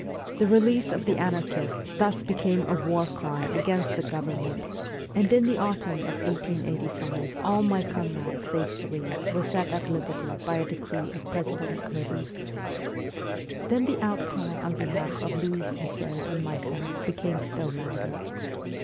The release of the anarchists thus became a war cry against 302 MEMOIRS OF A REVOLUTIONIST the government, and in the autumn of 1885 all my comrades save three were set at liberty by a decree of President Grevy. Then the outcry on behalf of Louise Michel and myself became still louder.